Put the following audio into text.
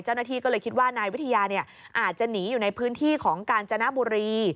เจ้าหน้าที่ก็เลยคิดว่านายวิทยาอาจจะหนีอยู่ในพื้นที่ของกาญจนบุรี